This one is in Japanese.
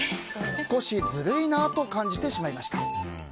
少しずるいなと感じてしまいました。